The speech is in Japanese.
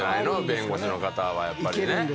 弁護士の方はやっぱり。